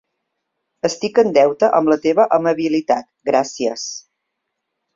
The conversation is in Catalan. Estic en deute amb la teva amabilitat, gràcies!